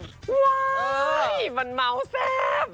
เมื่อว่าไอยวนมัวแซ่บ